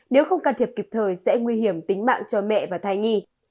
nếu không can thiệp kịp thời sẽ nguy hiểm tính mạng cho mẹ và thai nhi